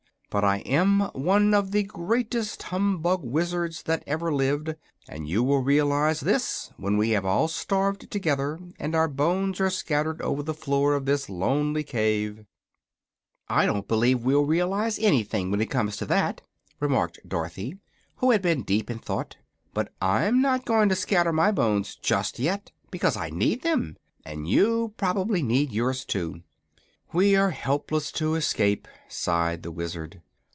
But I am one of the greatest humbug wizards that ever lived, and you will realize this when we have all starved together and our bones are scattered over the floor of this lonely cave." "I don't believe we'll realize anything, when it comes to that," remarked Dorothy, who had been deep in thought. "But I'm not going to scatter my bones just yet, because I need them, and you prob'ly need yours, too." "We are helpless to escape," sighed the Wizard.